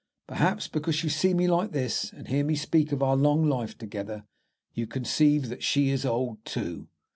Perhaps, because you see me like this, and hear me speak of our long life together, you conceive that she is old, too."